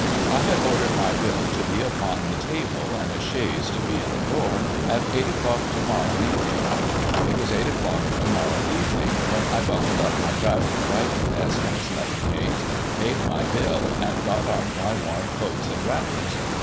I had ordered my Bill to be upon the table, and a chaise to be at the door, ' at eight o'clock to morrow evening.' It was eight o'clock to morrow evening when I buckled up my travelling writing desk in its leather case, paid my Bill, and got on my warm coats and wrappers.